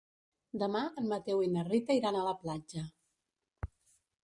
Demà en Mateu i na Rita iran a la platja.